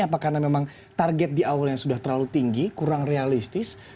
apakah karena memang target di awal yang sudah terlalu tinggi kurang realistis